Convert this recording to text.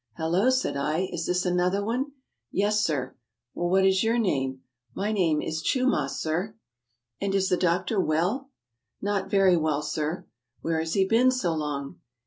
"Hallo," said I, "is this another one?" "Yes, sir." '' Well, what is your name ?"" My name is Chumah, sir. '' AFRICA 335 "And is the doctor well?" "Not very well, sir." "Where has he been so long?"